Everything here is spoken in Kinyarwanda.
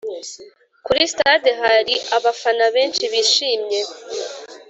kuri stade hari abafana benshi bishimye